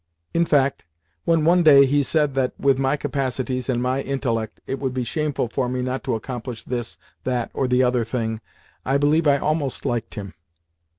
In fact, when, one day, he said that, with my "capacities" and my "intellect," it would be shameful for me not to accomplish this, that, or the other thing, I believe I almost liked him.